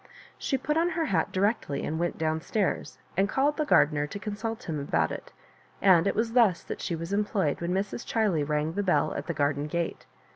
She put on her hat directly and went down stairs, and called the gardener to consult him about it; and it was thus that she was em ployed when Mrs. Chiley rang the bell at the gardengate.